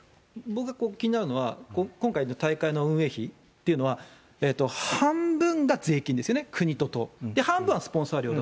僕が気になるのは、今回の大会の運営費っていうのは、半分が税金ですよね、国と都、半分はスポンサー料。